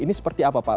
ini seperti apa pak